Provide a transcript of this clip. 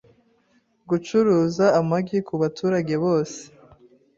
gucuruza amagi ku baturage bose